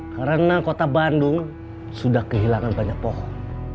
karena kota bandung sudah kehilangan banyak pohon